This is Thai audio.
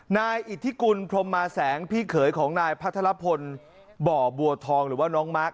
นายอิทธิกุลพรมมาแสงพี่เขยของนายพัทรพลบ่อบัวทองหรือว่าน้องมาร์ค